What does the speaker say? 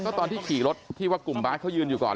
ก็ตอนที่ขี่รถที่ว่ากลุ่มบาร์ดเขายืนอยู่ก่อน